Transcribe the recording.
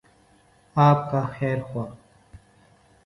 آپ کا خیرخواہ۔